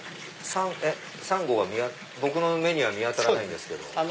サンゴが僕の目には見当たらないんですけど。